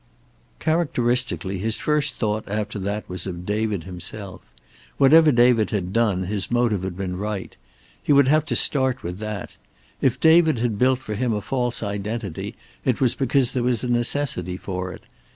Characteristically his first thought after that was of David himself. Whatever David had done, his motive had been right. He would have to start with that. If David had built for him a false identity it was because there was a necessity for it.